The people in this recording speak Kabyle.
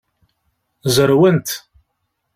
Zerwent.